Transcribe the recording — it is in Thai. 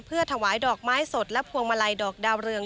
เพื่อถวายดอกไม้สดและพวงมาลัยดอกดาวเรือง